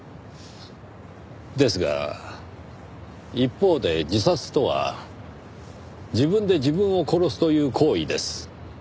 ですが一方で自殺とは自分で自分を殺すという行為です。